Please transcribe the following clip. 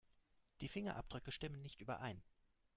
Die Fingerabdrücke stimmen nicht überein.